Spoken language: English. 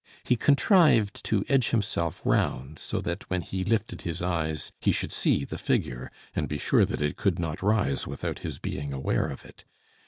He contrived to edge himself round, so that when he lifted his eyes he should see the figure, and be sure that it could not rise without his being aware of it.